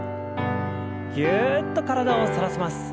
ぎゅっと体を反らせます。